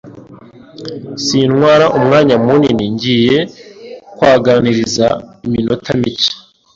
Sintwara umwanya munini ngiye kuaganiriza iminota mike